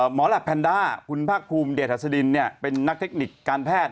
หมอแหลปแพนด้าคุณภาคภูมิเดชัสดินเป็นนักเทคนิคการแพทย์